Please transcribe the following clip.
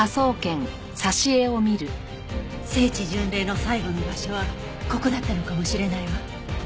聖地巡礼の最後の場所はここだったのかもしれないわ。